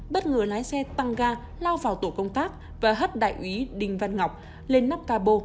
bất ngờ lái xe tăng ga lao vào tổ công tác và hất đại úy đình văn ngọc lên nắp ca bô